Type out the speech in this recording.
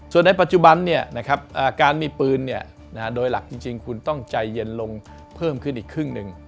ส่วนในปัจจุบันการมีปืนโดยหลักจริงคุณต้องใจเย็นลงเพิ่มขึ้นอีกครึ่งหนึ่ง